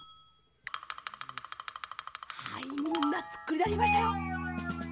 はいみんなつくりだしましたよ！